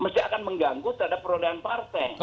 tidak akan mengganggu terhadap perolahan partai